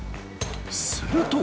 すると。